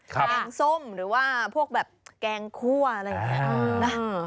แกงส้มหรือว่าพวกแบบแกงคั่วอะไรอย่างนี้นะ